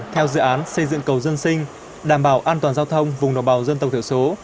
theo dự án xây dựng cầu dân sinh đảm bảo an toàn giao thông vùng đồng bào dân tộc thiểu số